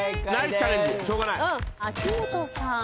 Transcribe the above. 秋元さん。